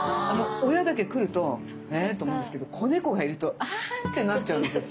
親だけ来ると「え」って思うんですけど子猫がいると「あ」ってなっちゃうんですよ